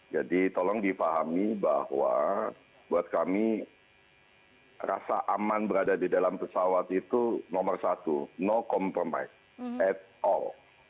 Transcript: jadi tolong dipahami bahwa buat kami rasa aman berada di dalam pesawat itu nomor satu no compromise at all